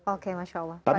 oke masya allah